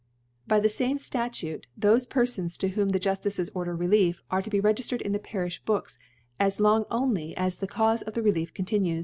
* By the fame Statute, * Thofe Pcrfons to whom the Juftices order Relief, are to be regiftered in the Parifh Books, as long only as the Caufe of the Relief continue